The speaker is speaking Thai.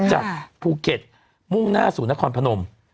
จากภูเก็ตมุ่งหน้าสู่นครพนม